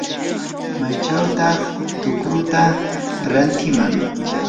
¿maychawtaq tukruta rantiman?